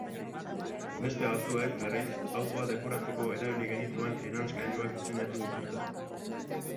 Beste batzuek, berriz, autoa dekoratzeko erabili genituen eranskailuak diseinatu dituzte.